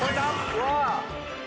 うわ！